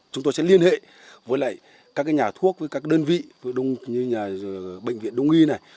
chúng tôi sẽ liên hệ với các nhà thuốc với các đơn vị như nhà bệnh viện đông y này